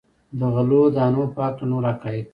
د غلو دانو په هکله نور حقایق.